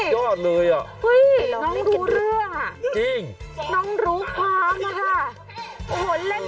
ล้มมือร่วมพลัง